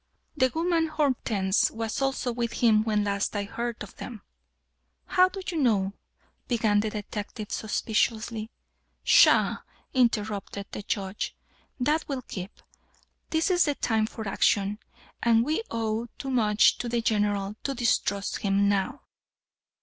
"The woman Hortense was also with him when last I heard of them." "How do you know?" began the detective, suspiciously. "Psha!" interrupted the Judge; "that will keep. This is the time for action, and we owe too much to the General to distrust him now."